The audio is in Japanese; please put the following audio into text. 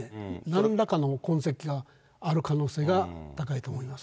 なんらかの痕跡がある可能性が高いと思います。